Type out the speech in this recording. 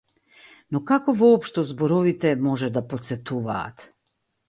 Но како воопшто зборовите може да потсетуваат?